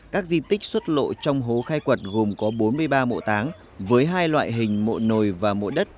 các di tích xuất lộ trong hố khai quật gồm có bốn mươi ba mộ táng với hai loại hình mộ nồi và mộ đất